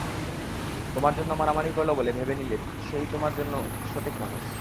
তোমার জন্য মারামারি করলো বলে ভেবে নিলে সেই তোমার জন্য সঠিক মানুষ।